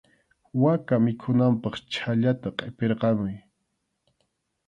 Waka mikhunanpaq chhallata qʼipirqamuy.